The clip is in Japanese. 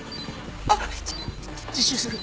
あっ自首する。